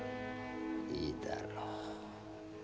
いいだろう。